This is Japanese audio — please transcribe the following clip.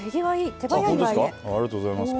手早いですね。